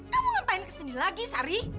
kamu ngapain kesini lagi sari